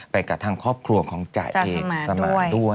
กับทางครอบครัวของจ่าเอกสมานด้วย